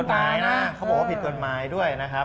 หมายนะเขาบอกว่าผิดกฎหมายด้วยนะครับ